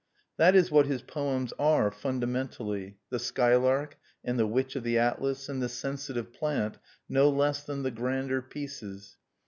That is what his poems are fundamentally the Skylark, and the Witch of the Atlas, and the Sensitive Plant no less than the grander pieces.